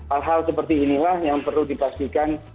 hal hal seperti inilah yang perlu dipastikan